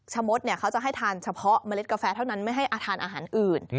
มดเขาจะให้ทานเฉพาะเมล็ดกาแฟเท่านั้นไม่ให้อาทานอาหารอื่น